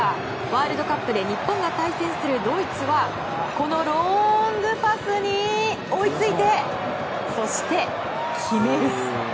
ワールドカップで日本が対戦するドイツはこのロングパスに追いついてそして、決める。